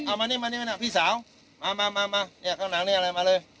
มานี่มานี่มาน่ะพี่สาวมามาเนี่ยข้างหลังนี่อะไรมาเลย